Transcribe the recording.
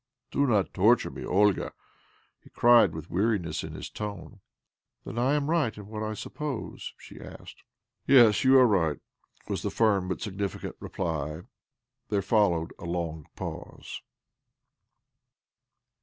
' Do not torture me, Olga," he cried with weariness in his tone. "Then am I right in what I suppose?" she asked. "lYes — you are right," was the firm, but significant, reply. There followed a long pause.